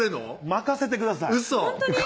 任せてくださいウソ